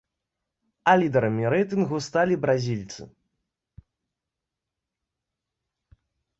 А лідарамі рэйтынгу сталі бразільцы.